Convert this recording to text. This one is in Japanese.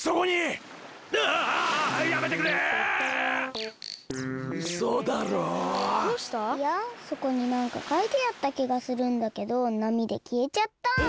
いやそこになんかかいてあったきがするんだけどなみできえちゃった。